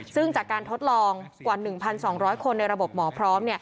ซึ่งจากการทดลองกว่า๑๒๐๐คนในระบบหมอพร้อม